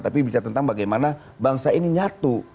tapi bicara tentang bagaimana bangsa ini nyatu